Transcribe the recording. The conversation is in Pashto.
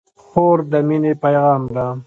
خور د مینې پیغام ده.